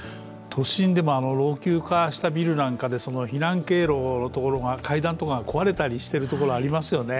都心でも老朽化したビルなんかで、避難経路のところの階段とかが壊れたりしているところがありますよね。